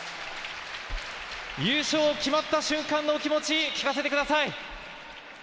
優勝が決まった瞬間のお気持ち聞かせてください。